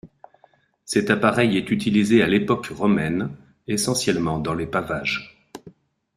Cet appareil est utilisé à l'époque romaine essentiellement dans les pavages.